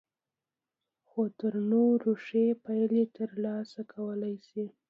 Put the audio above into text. خو تر نورو ښې پايلې ترلاسه کولای شئ.